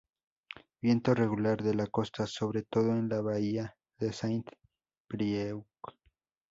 Viento regular de la costa, sobre todo en la Bahía de Saint-Brieuc.